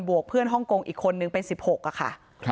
วกเพื่อนฮ่องกงอีกคนนึงเป็น๑๖ค่ะ